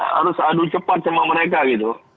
harus adu cepat sama mereka gitu